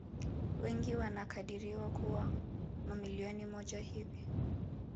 Wengi wanakadiriwa kuwa milioni moja hivi